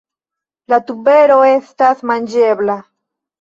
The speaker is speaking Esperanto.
La tubero estas manĝebla.